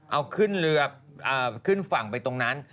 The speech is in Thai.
เอาขึ้นเรือขึ้นฝั่งไปตรงนั้น